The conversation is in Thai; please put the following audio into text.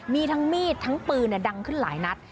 มีทั้งมีดทั้งปืนดังขึ้นหลายนัด